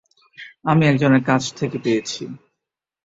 আমি একজনের কাছ থেকে পেয়েছি।